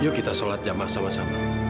yuk kita sholat jamaah sama sama